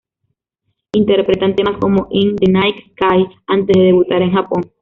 Interpretan temas como "In The Night Sky" antes de debutar en Japón.